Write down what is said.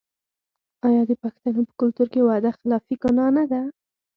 آیا د پښتنو په کلتور کې وعده خلافي ګناه نه ده؟